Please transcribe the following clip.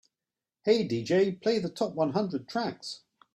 "Hey DJ, play the top one hundred tracks"